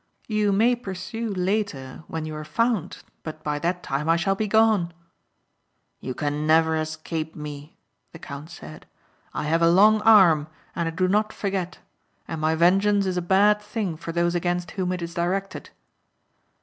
"You may pursue later when you are found but by that time I shall be gone." "You can never escape me," the count said. "I have a long arm and I do not forget. And my vengeance is a bad thing for those against whom it is directed."